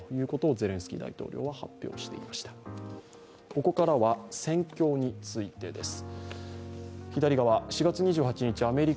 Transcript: ここからは戦況についてです。